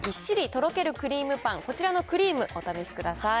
とろけるクリームパン、こちらのクリーム、お試しください。